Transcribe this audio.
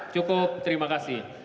cukup terima kasih